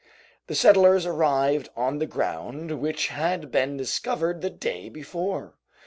The settlers arrived on the ground which had been discovered the day before.